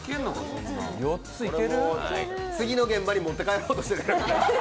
次の現場に持って帰ろうとしてる？